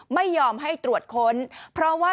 ไม่ยอมให้ตรวจค้นเพราะว่า